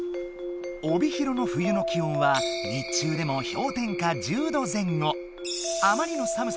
帯広の冬の気温は日中でも氷点下１０度前後。